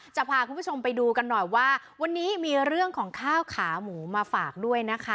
จะพาคุณผู้ชมไปดูกันหน่อยว่าวันนี้มีเรื่องของข้าวขาหมูมาฝากด้วยนะคะ